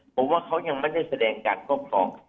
ผมว่าเขายังไม่ได้แสดงการครอบครอง